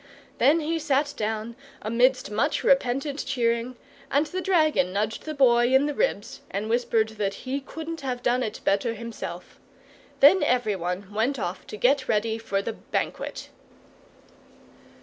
Then he sat down, amidst much repentant cheering, and the dragon nudged the Boy in the ribs and whispered that he couldn't have done it better himself. Then every one went off to get ready for the banquet.